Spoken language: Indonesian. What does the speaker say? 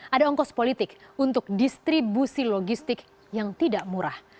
ada ongkos politik untuk distribusi logistik yang tidak murah